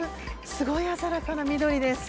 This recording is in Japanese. すごい鮮やかな緑です。